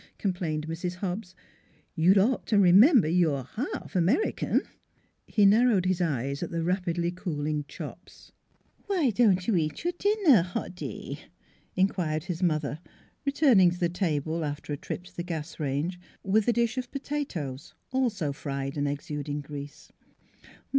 complained Mrs. Hobbs. " You'd ought to remember you're half American." He narrowed his eyes at the rapidly cooling chops. "Why don't you eat your dinner, Hoddy?" inquired his mother, returning to the table after a trip to the gas range with a dish of potatoes, also fried and exuding grease.